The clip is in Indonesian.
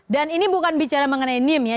dan ini bukan bicara mengenai nim ya